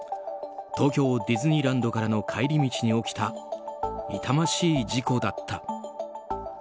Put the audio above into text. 東京ディズニーランドからの帰り道に起きた痛ましい事故だった。